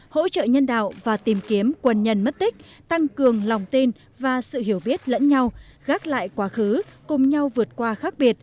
hỗ trợ nhân đạo và tìm kiếm quân nhân mất tích tăng cường lòng tin và sự hiểu biết lẫn nhau gác lại quá khứ cùng nhau vượt qua khác biệt